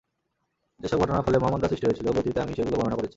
যেসব ঘটনার ফলে মহামন্দার সৃষ্টি হয়েছিল, বইটিতে আমি সেগুলো বর্ণনা করেছি।